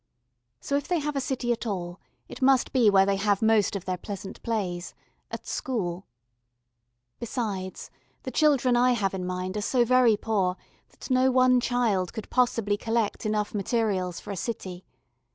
So if they have a city at all it must be where they have most of their pleasant plays at school. Besides, the children I have in mind are so very poor, that no one child could possibly collect enough materials for a city.